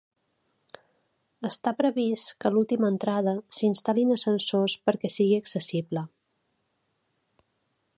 Està previst que a l'última entrada s'hi instal·lin ascensors perquè sigui accessible.